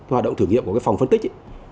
hoạt động thử nghiệm của phòng phân tích